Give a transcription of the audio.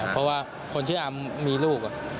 เพราะว่าคนชื่ออามมีลูก